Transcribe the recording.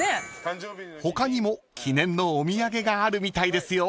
［他にも記念のお土産があるみたいですよ］